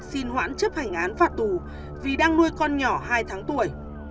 xin hoãn chấp hành án phạt tù vì đang nuôi con nhỏ hai tháng tuổi